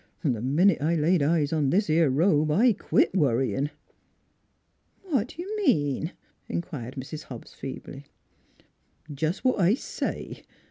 ... The minute I laid my eyes on this 'ere robe I quit worryin'." "What do you mean?" inquired Mrs. Hobbs feebly. " Jest what I say.